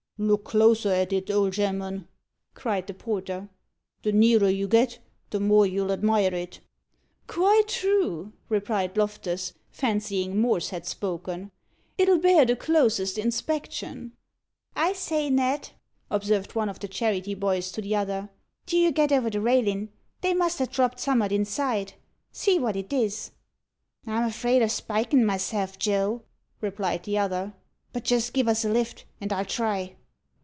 "Look closer at it, old gem'man," cried the porter. "The nearer you get, the more you'll admire it." "Quite true," replied Loftus, fancying Morse had spoken; "it'll bear the closest inspection." "I say, Ned," observed one of the charity boys to the other, "do you get over the railin'; they must ha' dropped summat inside. See what it is." "I'm afraid o' spikin' myself, Joe," replied the other; "but just give us a lift, and I'll try."